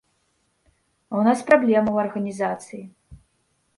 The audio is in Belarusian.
А ў нас праблемы ў арганізацыі.